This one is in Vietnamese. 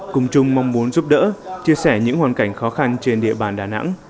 cùng chung mong muốn giúp đỡ chia sẻ những hoàn cảnh khó khăn trên địa bàn đà nẵng